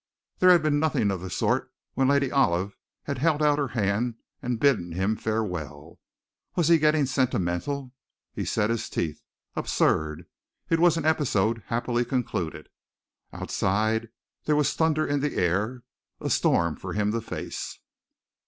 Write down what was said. There had been nothing of the sort when Lady Olive had held out her hand and bidden him farewell. Was he getting sentimental? He set his teeth. Absurd! It was an episode happily concluded! Outside there was thunder in the air a storm for him to face!...